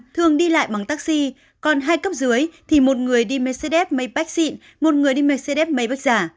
thường đi lại bằng taxi còn hai cấp dưới thì một người đi mercedes mấy bách xịn một người đi mercedes mấy bách giả